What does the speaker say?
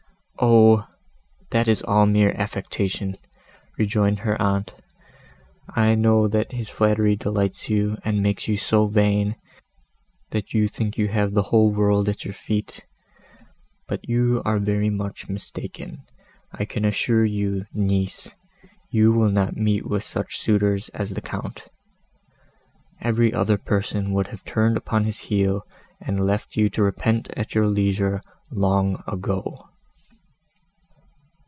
"O! that is all mere affectation," rejoined her aunt. "I know that his flattery delights you, and makes you so vain, that you think you may have the whole world at your feet. But you are very much mistaken; I can assure you, niece, you will not meet with many such suitors as the Count: every other person would have turned upon his heel, and left you to repent at your leisure, long ago."